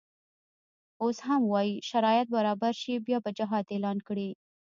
اوس هم وایي شرایط برابر شي بیا به جهاد اعلان کړي.